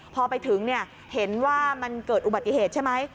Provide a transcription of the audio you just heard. พอไปถึงเห็นว่ามันเกิดอุบัติเหตุใช่ไหม